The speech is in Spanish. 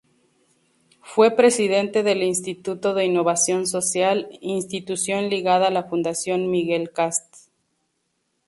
Fue presidente del Instituto de Innovación Social, institución ligada a la Fundación Miguel Kast.